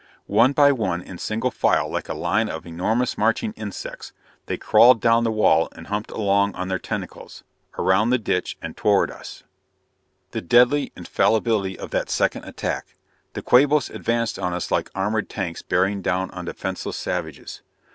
One by one, in single file like a line of enormous marching insects, they crawled down the wall and humped along on their tentacles around the ditch and toward us! The deadly infallibility of that second attack! The Quabos advanced on us like armored tanks bearing down on defenceless savages.